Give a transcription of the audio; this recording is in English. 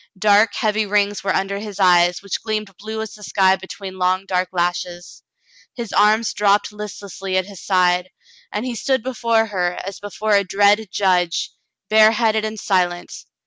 Dark, heavy rings were under his eyes, which gleamed blue as the sky be tween long dark lashes. His arms dropped listlessly at his side, and he stood before her, as before a dread judge, bareheaded and silent.